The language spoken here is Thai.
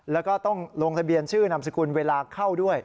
แล้วก็ต้องลงทะเบียนชื่อนามสกุลเวลาเข้าด้วย